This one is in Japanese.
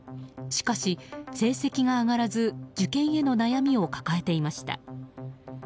しかし、成績が上がらず受験への悩みを抱えていました。